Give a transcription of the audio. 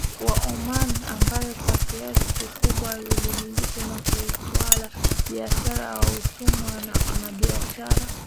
wa Omani ambaye kwa kiasi kikubwa alimiliki na kuitawala biashara ya watumwa na biashara